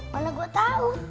mana gua tau